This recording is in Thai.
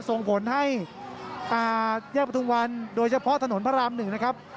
ส่งผลให้แยกประทุมวันโดยเฉพาะถนนพระราม๑นะครับ